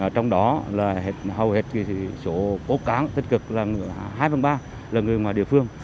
trong đó là hầu hết số cố cán tích cực là hai phần ba là người ngoài địa phương